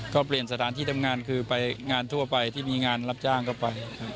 ก็เปลี่ยนสถานที่ทำงานคือไปงานทั่วไปที่มีงานรับจ้างก็ไปครับ